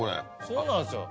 そうなんですよ。